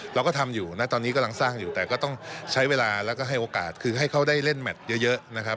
เราก็ทำอยู่นะตอนนี้กำลังสร้างอยู่แต่ก็ต้องใช้เวลาแล้วก็ให้โอกาสคือให้เขาได้เล่นแมทเยอะนะครับ